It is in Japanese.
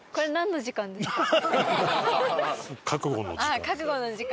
あっ覚悟の時間。